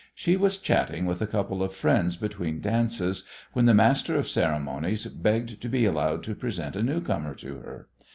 She was chatting with a couple of friends between dances when the master of ceremonies begged to be allowed to present a newcomer to her.